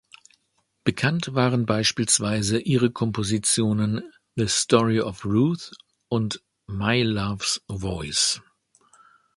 Bekannt waren beispielsweise ihre Kompositionen "The Story of Ruth" und "My Love’s Voice".